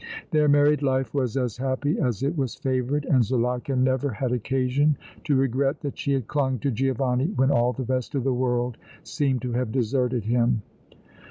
Their married life was as happy as it was favored, and Zuleika never had occasion to regret that she had clung to Giovanni when all the rest of the world seemed to have deserted him.